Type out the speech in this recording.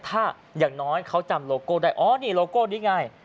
ถ้าอย่างน้อยเขาจำโลโก้ได้อ๋อนี่โลโก้นี่ไง